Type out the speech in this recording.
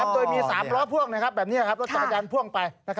โดยมี๓ล้อพ่วงแบบนี้รถจักรยานพ่วงไป